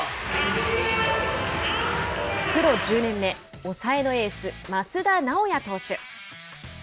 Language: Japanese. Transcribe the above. プロ１０年目抑えのエース益田直也投手。